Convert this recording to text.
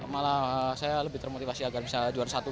malah saya lebih termotivasi agar bisa juara satu